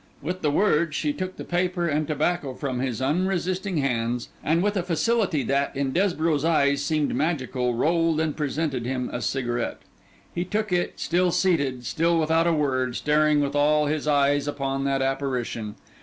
With the words, she took the paper and tobacco from his unresisting hands; and with a facility that, in Desborough's eyes, seemed magical, rolled and presented him a cigarette. He took it, still seated, still without a word; staring with all his eyes upon that apparition.